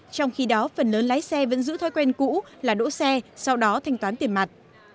trong khi đó phần lớn lái xe vẫn giữ thói quen cũ là đỗ xe sau đó thanh toán tiền mặt